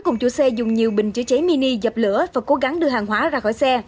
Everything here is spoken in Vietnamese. cùng chủ xe dùng nhiều bình chữa cháy mini dập lửa và cố gắng đưa hàng hóa ra khỏi xe